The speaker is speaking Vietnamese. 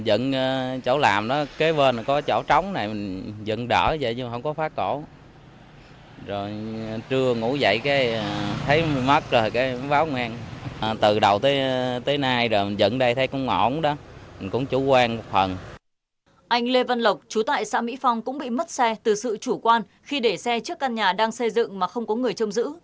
anh lê văn lộc chú tại sả mỹ phong cũng bị mất xe từ sự chủ quan khi để xe trước căn nhà đang xây dựng mà không có người trông giữ